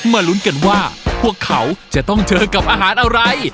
มาลุ้นกันว่าพวกเขาจะต้องเจอกับอาหารอะไร